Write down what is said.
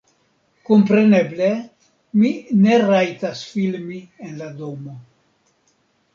Kompreneble mi ne rajtas filmi en la domo